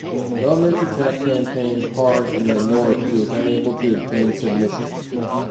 Though Muirchertach campaign hard in the north he was unable to obtain submission.